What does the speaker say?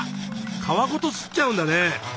皮ごとすっちゃうんだね？